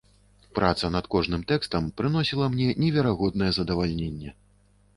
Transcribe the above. Праца над кожным тэкстам прыносіла мне неверагоднае задавальненне.